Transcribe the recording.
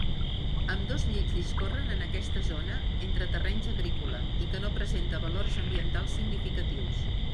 Ambdós llits discorren en aquesta zona entre terrenys agrícola i que no presenta valors ambientals significatius.